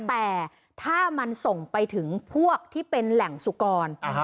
แต่ถ้ามันส่งไปถึงพวกที่เป็นแหล่งสุกร